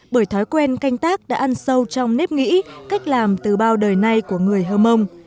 bởi thói quen canh tác đã ăn sâu trong nếp nghĩ cách làm từ bao đời nay của người hơ mông